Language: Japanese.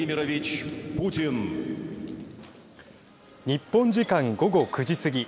日本時間、午後９時過ぎ。